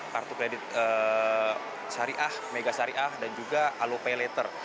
kartu kredit mega syariah dan juga alu pay letter